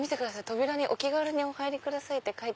扉に「お気軽にお入りください」って。